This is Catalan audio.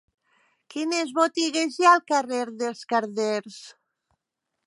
Quines botigues hi ha al carrer dels Carders?